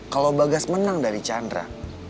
kalau bagas menang dari chandra